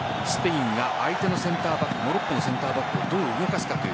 相手のセンターバックモロッコのセンターバックをどう動かすかという。